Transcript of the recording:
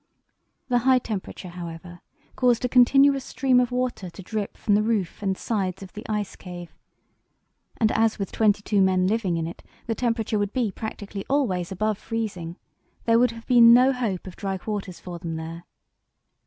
The high temperature, however, caused a continuous stream of water to drip from the roof and sides of the ice cave, and as with twenty two men living in it the temperature would be practically always above freezing, there would have been no hope of dry quarters for them there.